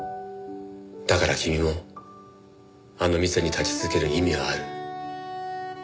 だから君もあの店に立ち続ける意味はある。